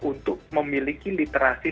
untuk memiliki literasi